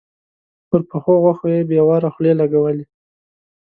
پر پخو غوښو يې بې واره خولې لګولې.